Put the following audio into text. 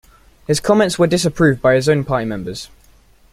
His comments were disapproved by his own party members.